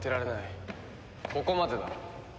ここまでだ。